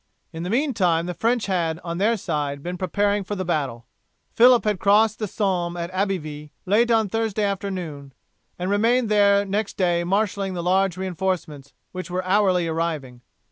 In the meantime the French had, on their side, been preparing for the battle. Phillip had crossed the Somme at Abbeyville late on Thursday afternoon, and remained there next day marshalling the large reinforcements which were hourly arriving.